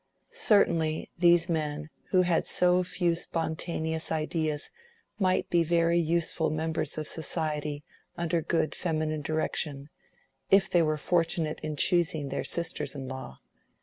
Certainly these men who had so few spontaneous ideas might be very useful members of society under good feminine direction, if they were fortunate in choosing their sisters in law!